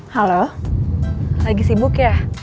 halo lagi sibuk ya